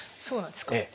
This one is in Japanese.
そうなんですか。